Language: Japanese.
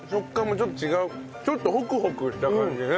ちょっとホクホクした感じね。